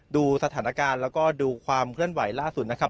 ดูสถานการณ์แล้วก็ดูความเคลื่อนไหวล่าสุดนะครับ